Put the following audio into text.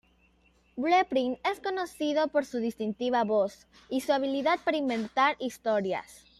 Blueprint es conocido por su distintiva voz y su habilidad para inventar historias.